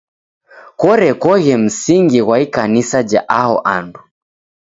Korekoghe msingi ghwa ikanisa ja aho andu.